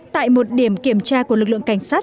tại một điểm kiểm tra của lực lượng cảnh sát